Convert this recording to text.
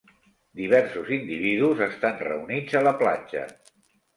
Diversos individus estan reunits a la platja.